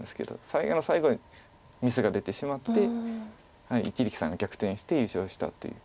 最後の最後でミスが出てしまって一力さんが逆転して優勝したっていう。